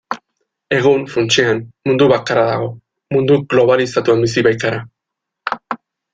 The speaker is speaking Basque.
Egun, funtsean, mundu bakarra dago, mundu globalizatuan bizi baikara.